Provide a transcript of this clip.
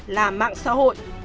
là mạng xã hội